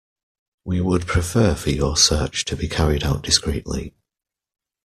We would prefer for your search to be carried out discreetly.